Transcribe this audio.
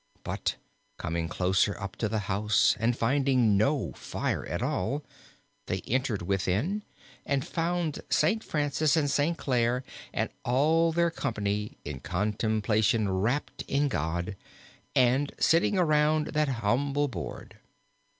But coming closer up to the House and finding no fire at all, they entered within and found Saint Francis and Saint Clare and all their company in contemplation rapt in God and sitting around that humble board.